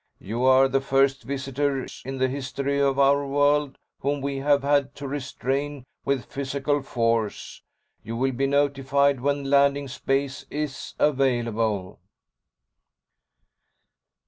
You are the first visitors in the history of our world whom we have had to restrain with physical force. You will be notified when landing space is available."